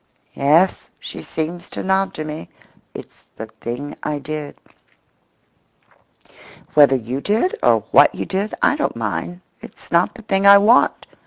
"Yes," she seems to nod to me, "it's the thing I did."Whether you did, or what you did, I don't mind; it's not the thing I want.